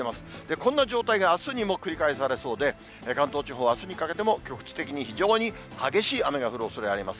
こんな状態があすにも繰り返されそうで、関東地方、あすにかけても局地的に非常に激しい雨が降るおそれがあります。